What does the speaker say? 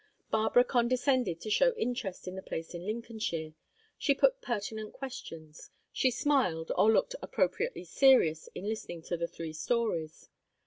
Barbara condescended to show interest in the place in Lincolnshire; she put pertinent questions; she smiled or looked appropriately serious in listening to the three stories.